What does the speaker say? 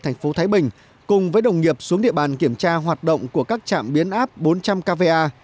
thành phố thái bình cùng với đồng nghiệp xuống địa bàn kiểm tra hoạt động của các trạm biến áp bốn trăm linh kv a